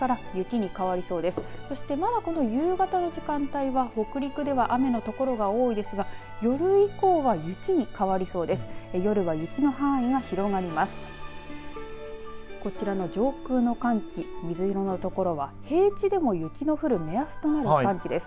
そしてまだこの夕方の時間帯は北陸では雨の所が多いですが、夜以降は雪に変わりそうです。